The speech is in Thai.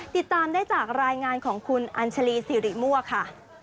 ติดตามได้จากรายงานของคุณอัญชาลีสิริมั่วค่ะ